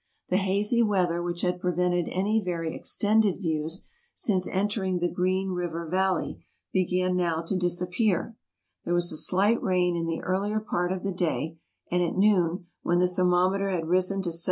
The hazy weather which had prevented any very extended views since entering the Green River Valley, began now to disappear. rhere was a slight rain in the earlier part of the day and at 86 TRAVELERS AND EXPLORERS noon, when the thermometer had risen to 79.